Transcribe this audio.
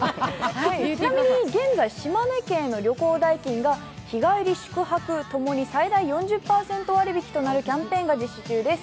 ちなみに現在、島根県への旅行代金が日帰り・宿泊ともに最大４０％割り引きとなるキャンペーンが実施中です。